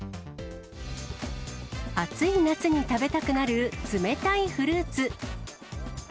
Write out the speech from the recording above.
暑い夏に食べたくなる冷たいフルーツ。